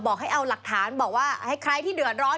บอกให้เงินด้วย